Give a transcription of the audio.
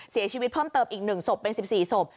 เสียชีวิตเพิ่มเติมอีก๑ศพเป็น๑๔ศพ